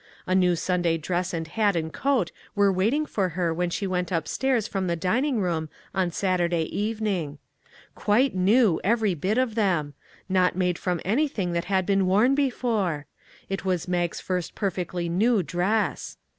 A new Sun day dress and hat and coat were waiting for her when she went upstairs from the dining 298 A NEW HOME room on Saturday evening. Quite new, every bit of them; not made from anything that had been worn before ! It was Mag's first perfectly new dress.